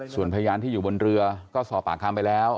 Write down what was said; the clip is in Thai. ส่วนพยานที่อยู่บนเรือก็สอบปากคำไปแล้ว